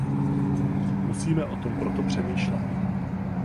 Musíme o tom proto přemýšlet.